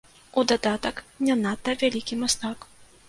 У дадатак не надта вялікі мастак.